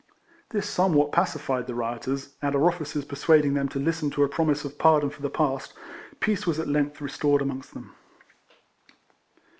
This somewhat pacified the rioters, and our officers persuading them to listen to a promise of pardon for the past, peace was at length restored amongst them.